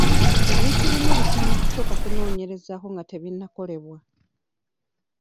Ebintu ebimu bisaana kusooka kunoonyerezaako nga tebinnakolebwa.